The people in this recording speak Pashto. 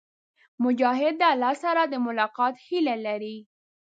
مجاهد د الله سره د ملاقات هيله لري.